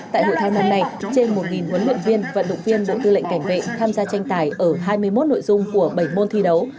tại hội thao lần này trên một huấn luyện viên vận động viên bộ tư lệnh cảnh vệ tham gia tranh tài ở hai mươi một nội dung của bảy môn thi đấu